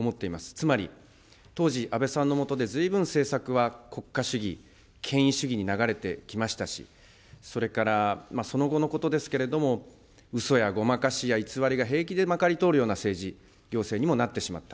つまり、当時、安倍さんの下でずいぶん政策は国家主義、権威主義に流れてきましたし、それから、その後のことですけれども、うそやごまかしや偽りが平気でまかり通るような政治、行政にもなってしまった。